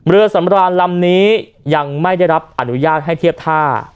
เรือสำรานลำนี้ยังไม่ได้รับอนุญาตให้เทียบท่า